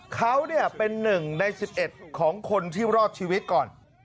เขาเป็น๑ใน๑๑ของคนที่รอดชีวิตก่อน